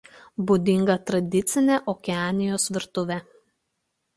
Būdinga tradicinė Okeanijos virtuvė.